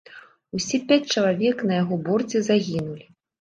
Усе пяць чалавек на яго борце загінулі.